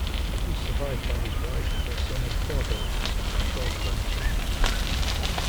He was survived by his wife, their son and four daughters, and twelve grandchildren.